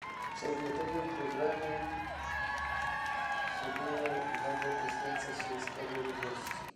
W przedmiotowym programie szczególną uwagę poświęca się sprawie równości